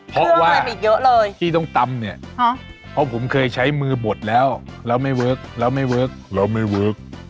เพราะว่าที่ต้องตำเนี่ยเพราะผมเคยใช้มือบดแล้วแล้วไม่เวิร์คแล้วไม่เวิร์คแล้วไม่เวิร์ค